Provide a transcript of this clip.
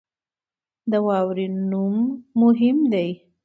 د واورې نوم مهم دی.